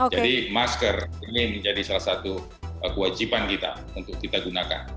jadi masker ini menjadi salah satu kewajiban kita untuk kita gunakan